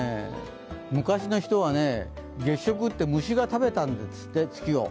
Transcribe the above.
昔の人は月食って虫が食べたんですって、月を。